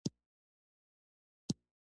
ابجګټف کورلیټف اصطلاح لومړی شپون صاحب وکاروله.